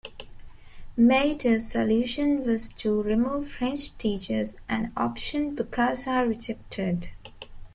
Maidou's solution was to remove French teachers, an option Bokassa rejected.